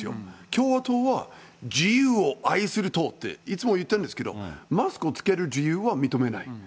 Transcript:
共和党は、自由を愛する党っていつも言ってるんですけど、マスクを着ける自由は認めない。